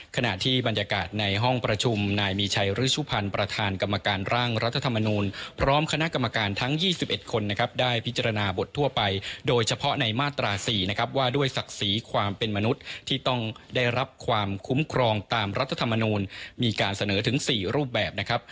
ขณะที่บรรยากาศในห้องประชุมนายมีชัยฤชุพันธ์ประธานกรรมการร่างรัฐธรรมนูลพร้อมคณะกรรมการทั้ง๒๑คนนะครับได้พิจารณาบททั่วไปโดยเฉพาะในมาตรา๔นะครับว่าด้วยศักดิ์ศรีความเป็นมนุษย์ที่ต้องได้รับความคุ้มครองตามรัฐธรรมนูลมีการเสนอถึง๔รูปแบบนะครับ